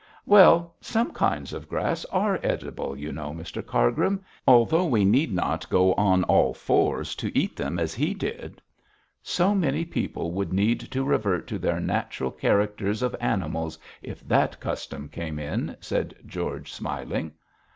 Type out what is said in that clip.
'Well, some kinds of grass are edible, you know, Mr Cargrim; although we need not go on all fours to eat them as he did.' 'So many people would need to revert to their natural characters of animals if that custom came in,' said George, smiling.